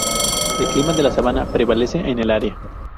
El clima de la sabana prevalece en el área.